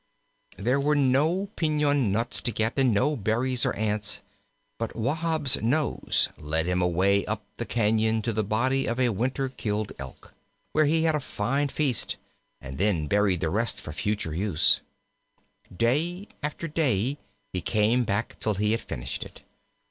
There were no piñon nuts to get, and no berries or ants; but Wahb's nose led him away up the cañon to the body of a winter killed Elk, where he had a fine feast, and then buried the rest for future use. Day after day he came back till he had finished it.